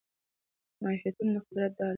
معافیتونه د قدرت ډال دي.